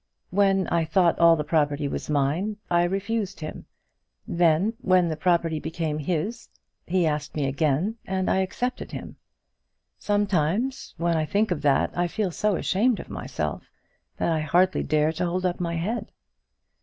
"When I thought all the property was mine, I refused him. Then, when the property became his, he asked me again, and I accepted him. Sometimes, when I think of that, I feel so ashamed of myself, that I hardly dare to hold up my head."